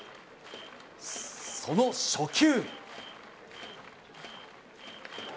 その初球。